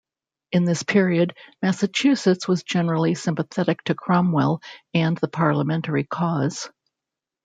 In this period, Massachusetts was generally sympathetic to Cromwell and the Parliamentary cause.